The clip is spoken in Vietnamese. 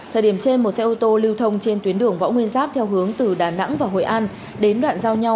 thời điểm trên một xe ô tô lưu thông trên tuyến đường võ nguyên giáp theo hướng từ đà nẵng và hội an